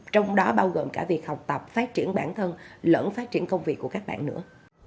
trong đó bao gồm cả việc học tập phát triển bản thân lẫn phát triển công việc của các bạn nữa